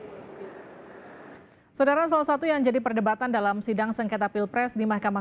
hai saudara salah satu yang jadi perdebatan dalam sidang sengketa pilpres di mahkamah